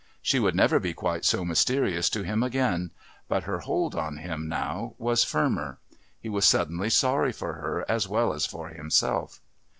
She would never be quite so mysterious to him again, but her hold on him now was firmer. He was suddenly sorry for her as well as for himself.